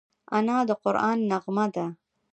انا د قرآن نغمه ده